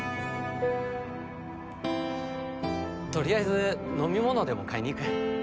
とりあえず飲み物でも買いに行く？